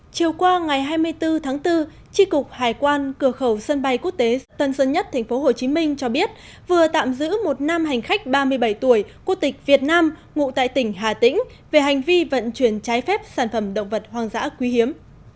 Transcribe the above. chiều qua ngày hai mươi bốn tháng bốn tri cục hải quan cửa khẩu sân bay quốc tế tân sơn nhất tp hcm cho biết vừa tạm giữ một nam hành khách ba mươi bảy tuổi quốc tịch việt nam ngụ tại tỉnh hà tĩnh về hành vi vận chuyển trái phép sản phẩm động vật hoang dã quý hiếm